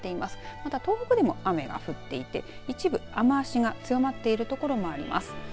また、東北でも雨が降っていて一部、雨足が強まっている所もあります。